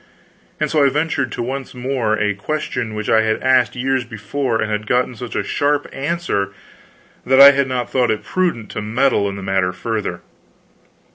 And so I ventured to ask once more a question which I had asked years before and had gotten such a sharp answer that I had not thought it prudent to meddle in the matter further.